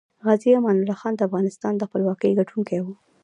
غازي امان الله خان دافغانستان دخپلواکۍ ګټونکی وه